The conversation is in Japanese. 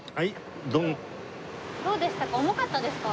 どうでしたか？